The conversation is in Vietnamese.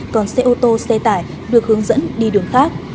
còn xe ô tô xe tải được hướng dẫn đi đường khác